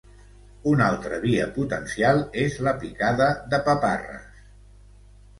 Una altra via potencial és la picada de paparres.